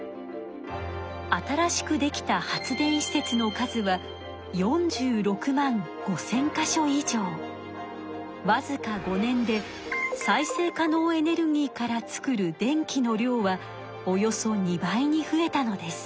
新しくできた発電施設の数はわずか５年で再生可能エネルギーから作る電気の量はおよそ２倍に増えたのです。